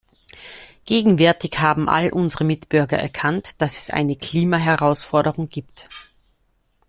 Gegenwärtig haben all unsere Mitbürger erkannt, dass es eine Klimaherausforderung gibt.